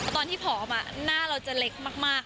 ตอนที่ผอมหน้าเราจะเล็กมาก